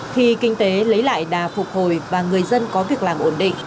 khi kinh tế lấy lại đà phục hồi và người dân có việc làm ổn định